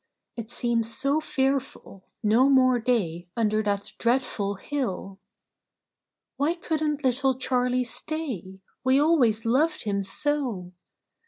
It seems so fearful ; no more day Under that dreadful hill! " Why couldn't little Charley stay ? We always loved him so!